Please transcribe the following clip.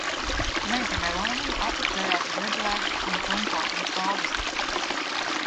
Meita Melānija apprecējās ar Eduardu Antonko no Stalbes.